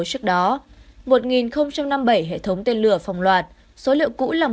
trước đó một năm mươi bảy hệ thống tiên lửa phóng loạt số liệu cũ là một năm mươi năm